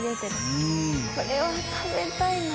五百城）これは食べたいな。